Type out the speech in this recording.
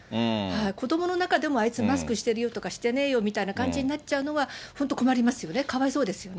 子どもの中でも、あいつ、マスクしてるよ、してねぇよみたいな感じになっちゃうのは本当困りますよね、かわいそうですよね。